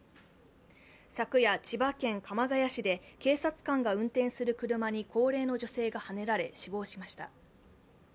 昨夜、千葉県鎌ケ谷市で警察官が運転する車に高齢の女性がはねられ死亡しました。